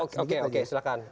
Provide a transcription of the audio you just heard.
oke oke silahkan